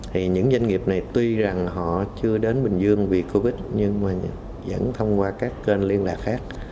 thì những doanh nghiệp này tuy rằng họ chưa đến bình dương vì covid nhưng mà vẫn thông qua các kênh liên lạc khác